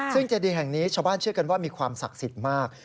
ซึ่งเจดีแห่งนี้ชาวบ้านเชื่อกันว่ามีความศักดิ์สิทธิ์มาก